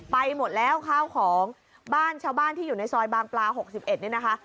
หมดแล้วข้าวของบ้านชาวบ้านที่อยู่ในซอยบางปลา๖๑นี่นะคะ